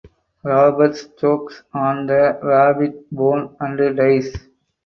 Roberts chokes on the rabbit bone and dies.